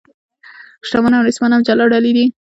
شتمن او نیستمن هم جلا ډلې دي.